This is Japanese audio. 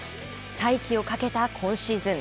再起を懸けた今シーズン。